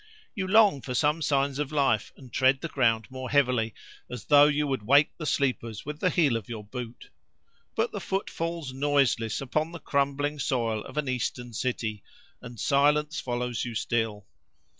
You long for some signs of life, and tread the ground more heavily, as though you would wake the sleepers with the heel of your boot; but the foot falls noiseless upon the crumbling soil of an Eastern city, and silence follows you still.